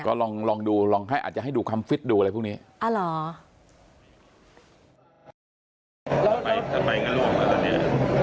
ก็ลองดูอาจจะให้ดูความฟิตดูอะไรพวกนี้